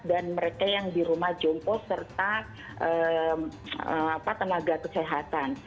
dan mereka yang di rumah jompo serta tenaga kesehatan